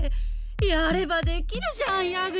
やればできるじゃん矢口！